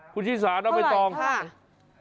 คุณชินสารเอาไปต้องเท่าไหร่ค่ะ